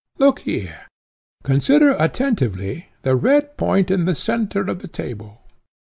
Look here; consider attentively the red point in the centre of the table.